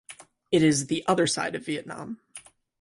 It is the other side of Vietnam.